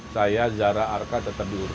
saya zara arka tetap dulu